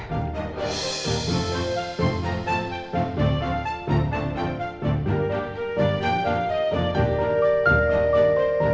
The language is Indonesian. kau mau ngumpulin uang kuliah